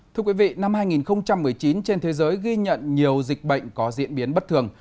thưa quý vị năm hai nghìn một mươi chín trên thế giới ghi nhận nhiều dịch bệnh có diễn biến bất thường